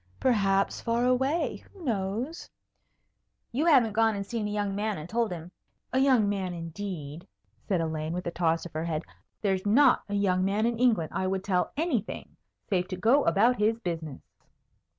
"Perhaps far away. Who knows?" "You haven't gone and seen a young man and told him " "A young man, indeed!" said Elaine, with a toss of her head. "There's not a young man in England I would tell anything save to go about his business."